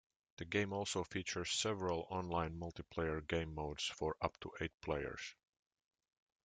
The game also features several online multiplayer game modes for up to eight players.